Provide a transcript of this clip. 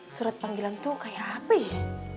surat panggilan tuh kayak hp ya